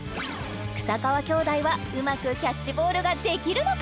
草川兄弟はうまくキャッチボールができるのか？